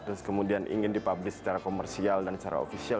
terus kemudian ingin dipublish secara komersial dan secara official